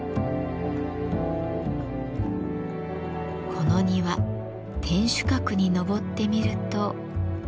この庭天守閣に上ってみると。